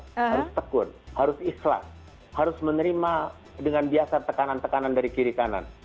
harus tekun harus ikhlas harus menerima dengan biasa tekanan tekanan dari kiri kanan